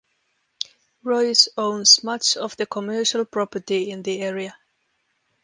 Roys owns much of the commercial property in the area.